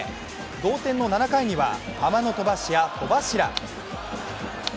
同点の７回にはハマの飛ばし屋・戸柱！